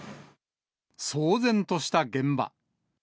騒然とした現場。